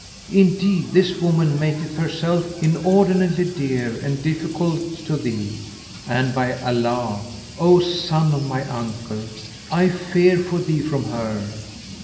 Indeed, this woman maketh herself inordinately dear and difficult to thee, and by Allah, O son of my uncle, I fear for thee from her.